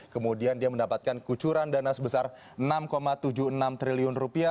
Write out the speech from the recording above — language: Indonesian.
kemudian dia mendapatkan kucuran dana sebesar rp enam tujuh puluh enam triliun